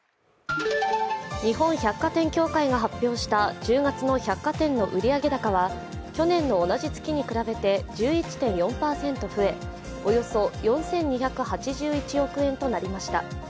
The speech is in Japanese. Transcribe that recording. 日本百貨店協会が発表した１０月の百貨店の売上高は去年の同じ月に比べて１１．４％増えおよそ４２８１億円となりました。